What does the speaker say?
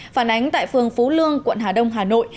phản ánh tại phường phú lương quận hà đông hà nội